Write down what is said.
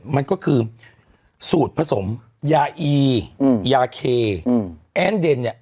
มันก็คือสูตรผสมยาอียาเคแอ้นเดนเนี่ย